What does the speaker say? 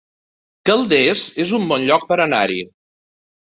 Calders es un bon lloc per anar-hi